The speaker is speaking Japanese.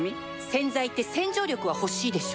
洗剤って洗浄力は欲しいでしょ